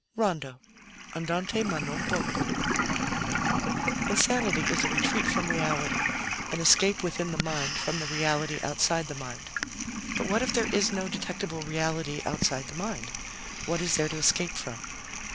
RONDO ANDANTE MA NON POCO Insanity is a retreat from reality, an escape within the mind from the reality outside the mind. But what if there is no detectable reality outside the mind? What is there to escape from?